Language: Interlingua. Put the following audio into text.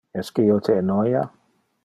Esque io te enoia?